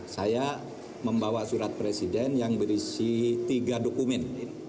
saya membawa surat presiden yang berisi tiga dokumen